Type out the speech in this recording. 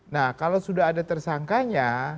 nah kalau sudah ada tersangkanya